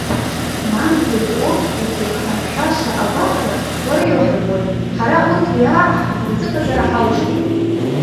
Мамзаргьы, урҭ изықәҳаршәаша агәаҟра, уара иуҳарбоит, ҳара урҭ иааҳҭаху рзыҟаҵара ҳалшоит.